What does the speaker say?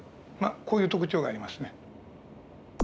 こういう特徴がありますね。